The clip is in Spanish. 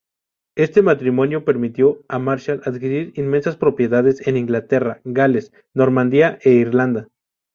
Este matrimonio permitió a Marshal adquirir inmensas propiedades en Inglaterra, Gales, Normandía e Irlanda.